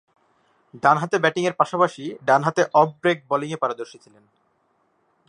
ডানহাতে ব্যাটিংয়ের পাশাপাশি ডানহাতে অফ ব্রেক বোলিংয়ে পারদর্শী ছিলেন।